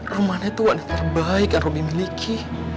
rumana itu warna terbaik yang robi miliki